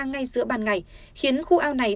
ngay giữa ban ngày khiến khu ao này